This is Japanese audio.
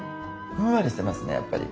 ふんわりしてますねやっぱり。